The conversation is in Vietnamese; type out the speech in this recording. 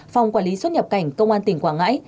phòng quản lý xuất nhập cảnh công an tỉnh quảng ngãi